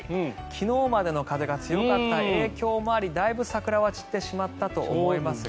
昨日までの風が強かった影響もありだいぶ桜は散ってしまったと思いますが。